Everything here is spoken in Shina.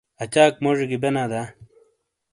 اچاک موڇی گی بینا دا؟